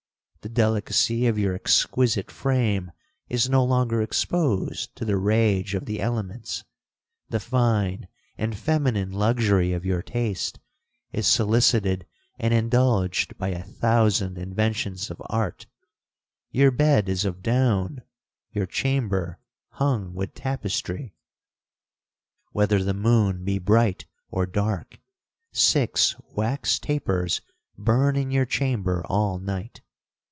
The delicacy of your exquisite frame is no longer exposed to the rage of the elements—the fine and feminine luxury of your taste is solicited and indulged by a thousand inventions of art—your bed is of down—your chamber hung with tapestry. Whether the moon be bright or dark, six wax tapers burn in your chamber all night.